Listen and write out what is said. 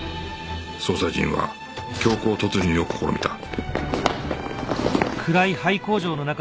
捜査陣は強行突入を試みた